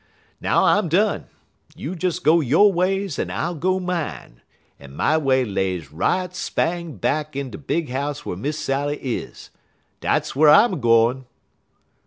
Now I'm done! You des go yo' ways en I'll go mine, en my way lays right spang back ter de big house whar Miss Sally is. Dat's whar I'm a gwine!"